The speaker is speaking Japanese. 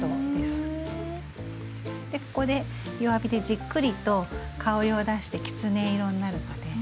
ここで弱火でじっくりと香りを出してきつね色になるまで。